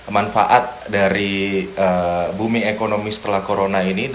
manfaat dari booming ekonomi setelah corona ini